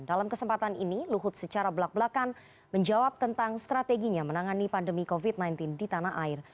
dalam kesempatan ini luhut secara belak belakan menjawab tentang strateginya menangani pandemi covid sembilan belas di tanah air